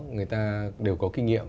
người ta đều có kinh nghiệm